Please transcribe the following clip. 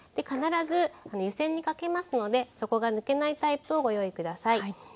必ず湯煎にかけますので底が抜けないタイプをご用意下さい。